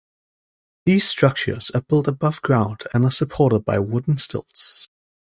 These structures are built above ground and are supported by wooden stilts.